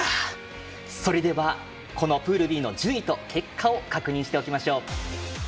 それではプールＢの順位と結果を確認しておきましょう。